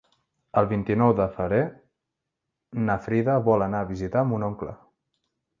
El vint-i-nou de febrer na Frida vol anar a visitar mon oncle.